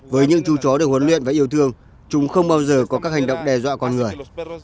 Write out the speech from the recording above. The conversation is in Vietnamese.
với những chú chó được huấn luyện và yêu thương chúng không bao giờ có các hành động đe dọa con người